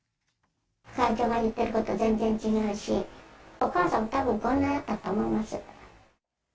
会長が言っていることは全然違うし、お母さんもたぶんこんなやったと思います。